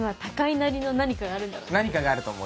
何かがあると思う。